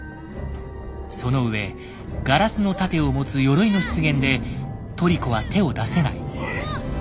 そのうえガラスの盾を持つヨロイの出現でトリコは手を出せない。